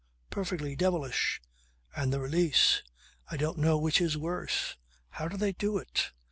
Perfectly devilish. And the release! I don't know which is worse. How do they do it?